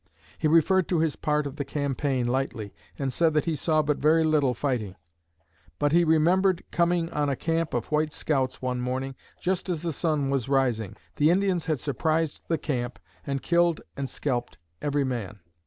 He referred to his part of the campaign lightly, and said that he saw but very little fighting. But he remembered coming on a camp of white scouts one morning just as the sun was rising. The Indians had surprised the camp and killed and scalped every man.